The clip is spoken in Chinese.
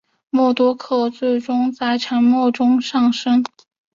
默多克最终在沉没中丧生。